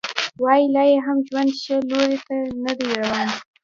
وايي لا یې هم ژوند ښه لوري ته نه دی روان